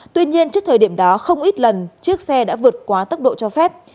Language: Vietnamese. tuy nhiên trước thời điểm đó không ít lần chiếc xe đã vượt quá tốc độ cho phép